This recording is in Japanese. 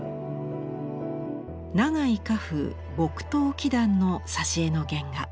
永井荷風「東綺譚」の挿絵の原画。